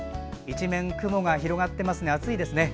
一面雲が広がっていますが暑いですね。